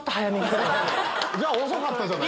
じゃあ遅かったじゃない。